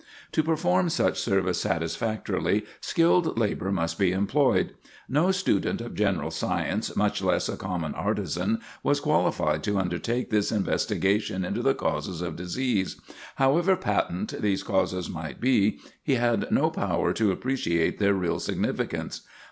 To perform such service satisfactorily, skilled labor must be employed. No student of general science, much less a common artisan, was qualified to undertake this investigation into the causes of disease; however patent these causes might be, he had no power to appreciate their real significance.